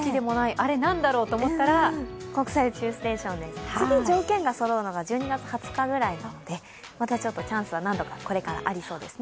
あれ何だろうってなったら次条件がそろうのが１２月２０日ぐらいなので、またチャンスは何度かこれからありそうです。